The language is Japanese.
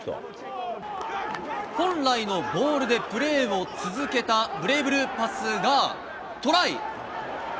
本来のボールでプレーを続けたブレイブルーパスがトライ。